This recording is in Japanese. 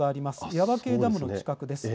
耶馬溪ダムの近くです。